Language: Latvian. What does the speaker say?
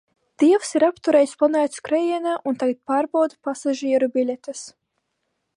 Dievs ir apturējis planētu skrējienā un tagad pārbauda pasažieru biļetes.